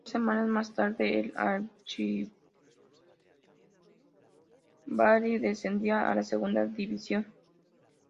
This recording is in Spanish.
Dos semanas más tarde, el archirrival descendía a la segunda división.